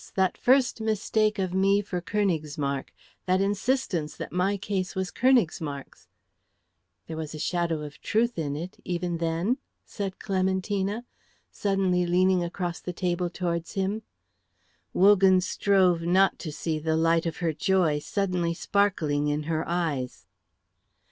That first mistake of me for Königsmarck, that insistence that my case was Königsmarck's " "There was a shadow of truth in it even then?" said Clementina, suddenly leaning across the table towards him. Wogan strove not to see the light of her joy suddenly sparkling in her eyes.